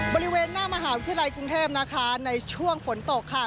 บริเวณหน้ามหาวิทยาลัยกรุงเทพนะคะในช่วงฝนตกค่ะ